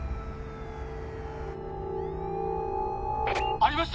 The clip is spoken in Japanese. ありました！